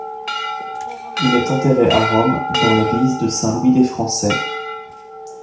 Il est enterré à Rome dans l'église de Saint-Louis des Français.